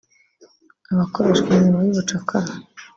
abakoreshwa imirimo y’ubucakara